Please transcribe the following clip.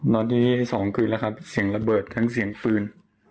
ตอนนี้๒คืนแล้วครับเสียงระเบิดทั้งเสียงปืน